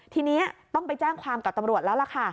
ทีนี้ต้องไปแจ้งความกับตำรวจแล้วล่ะค่ะ